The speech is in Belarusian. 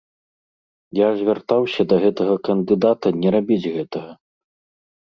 Я звяртаўся да гэтага кандыдата не рабіць гэтага.